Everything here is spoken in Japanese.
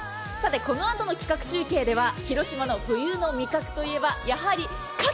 このあとの企画中継では広島の冬の味覚といえばやはり、かき。